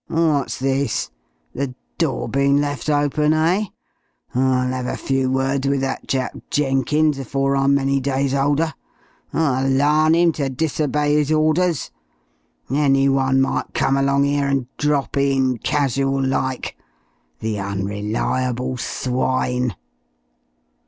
What's this? The door been left open, eh? I'll 'ave a few words with that chap Jenkins afore I'm many days older. I'll larn 'im to disobey 'is orders! Any one might come along 'ere and drop in casual like!... The unreliable swine!"